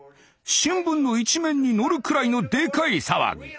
新聞の一面にのるくらいのでかい騒ぎ。